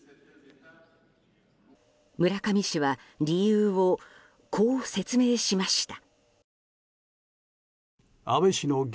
村上氏は理由をこう説明しました。